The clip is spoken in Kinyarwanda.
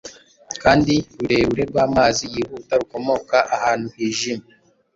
kandi rurerure rw’amazi yihuta rukomoka ahantu hijimye”